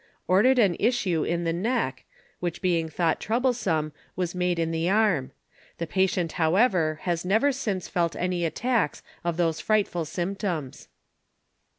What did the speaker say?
ordered an Issue in the Neck, which being thought troublesome, was made in the Arm; the Patient however has never since felt any Attacks of those frightful Symptoms.